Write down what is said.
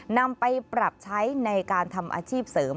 นำไปปรับใช้ในการทำอาชีพเสริม